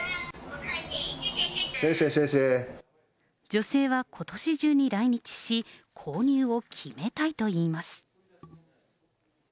女性はことし中に来日し、購入を決めたいといいます。